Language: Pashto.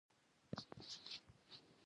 د خاوري حدودو په برخه کې ووایم.